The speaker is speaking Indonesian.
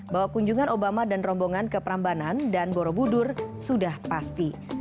bahwa kunjungan obama dan rombongan ke prambanan dan borobudur sudah pasti